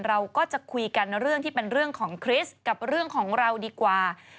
เราก็จะคุยกันเรื่องที่เป็นเรื่องของคริสต์กับเรื่องของเราดีกว่า